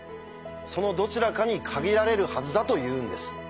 そのどちらかに限られるはずだというんです。